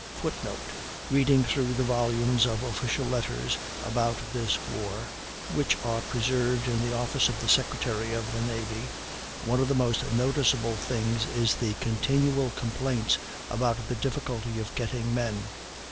[Footnote: Reading through the volumes of official letters about this war, which are preserved in the office of the Secretary of the Navy, one of the most noticeable things is the continual complaints about the difficulty of getting men.